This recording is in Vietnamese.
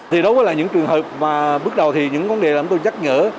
thì đâu có là những trường hợp mà bước đầu thì những vấn đề làm tôi nhắc nhở